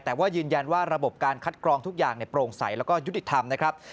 แต่ว่ายืนยันว่าระบบการคัดกรองทุกอย่างโปร่งใสแล้วก็ยุติธรรมนะครับ